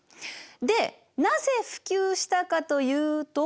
でなぜ普及したかというと。